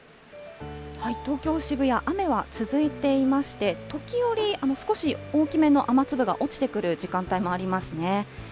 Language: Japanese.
東京・渋谷、雨は続いていまして、時折、少し大きめの雨粒が落ちてくる時間帯もありますね。